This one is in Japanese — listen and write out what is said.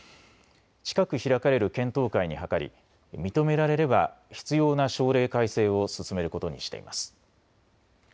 近く開かれる検討会に諮り、認められれば必要な省令改正を進めることにしています。